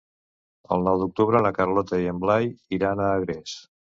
El nou d'octubre na Carlota i en Blai iran a Agres.